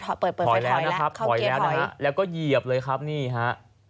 ถอยแล้วนะครับเดี๋ยวถอยแล้วนะฮะแล้วก็เหยียบเลยครับนี่ฮะ